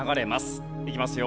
いきますよ。